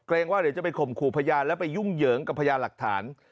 ว่าเดี๋ยวจะไปข่มขู่พยานแล้วไปยุ่งเหยิงกับพยานหลักฐาน